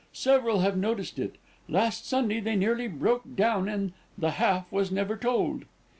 Several have noticed it. Last Sunday, they nearly broke down in 'The Half Was Never Told.'"